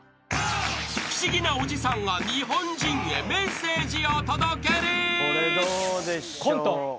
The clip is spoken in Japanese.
［不思議なおじさんが日本人へメッセージを届ける］